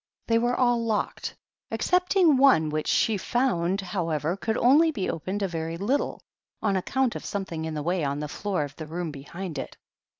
They were all locked, excepting one, which she found, however, could only be opened a very little, on account of something in the way on the floor of the room behind it.